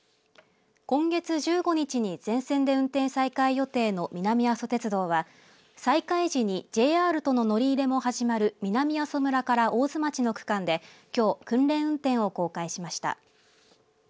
今月１５日に全線で運転再開予定の南阿蘇鉄道は再開時にＪＲとの乗り入れも始まる南阿蘇村から大津町の区間できょう訓練運転を公開しました。